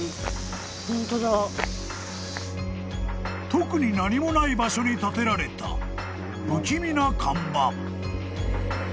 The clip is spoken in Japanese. ［特に何もない場所に立てられた不気味な看板］